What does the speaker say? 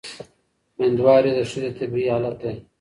مېندواري د ښځې طبیعي حالت دی.